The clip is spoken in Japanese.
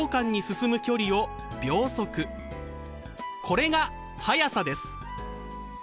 これが「速さ」です。